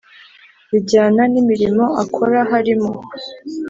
bijyana n imirimo akora harimo